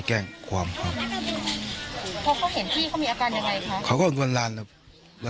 ในนั้นเห็นว่ามีที่โทรลเด็กมือ